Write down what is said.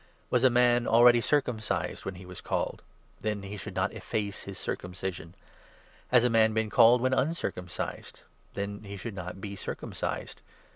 Was it a man already circumcised when he was called ? Then he should not efface his circumcision. Has a man been called when uncircumcised ? Then he should not be circumcised.